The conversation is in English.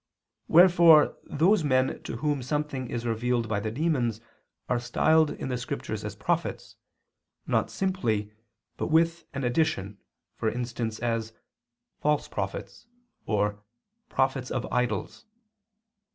Wherefore those men to whom something is revealed by the demons are styled in the Scriptures as prophets, not simply, but with an addition, for instance as "false prophets," or "prophets of idols."